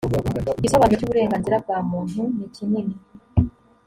igisobanuro cy uburenganzira bwa muntu nikinini.